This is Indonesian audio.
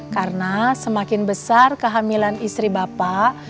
karena semakin besar kehamilan istri bapak